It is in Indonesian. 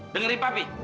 dengarin pak pi